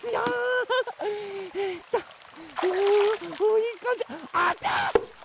いいかんじあちっ！